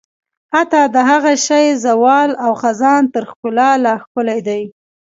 حتی د هغه شي زوال او خزان تر ښکلا لا ښکلی دی.